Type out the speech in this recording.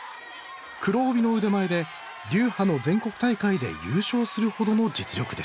黒帯の腕前で流派の全国大会で優勝するほどの実力でした